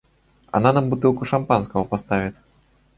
Она нам бутылку шампанского поставит.